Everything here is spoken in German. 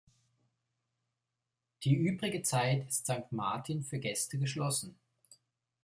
Die übrige Zeit ist Sankt Martin für Gäste geschlossen.